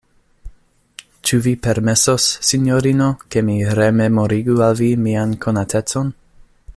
Ĉu vi permesos, sinjorino, ke mi rememorigu al vi mian konatecon?